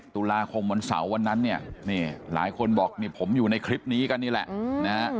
ตุลาคมวันเสาร์วันนั้นเนี่ยหลายคนบอกนี่ผมอยู่ในคลิปนี้กันนี่แหละนะฮะ